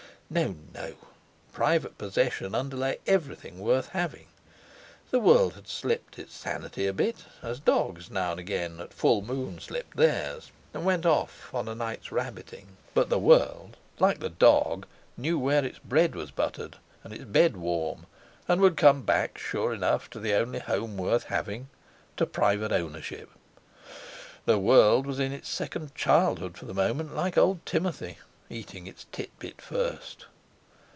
No, no! Private possession underlay everything worth having. The world had slipped its sanity a bit, as dogs now and again at full moon slipped theirs and went off for a night's rabbiting; but the world, like the dog, knew where its bread was buttered and its bed warm, and would come back sure enough to the only home worth having—to private ownership. The world was in its second childhood for the moment, like old Timothy—eating its titbit first!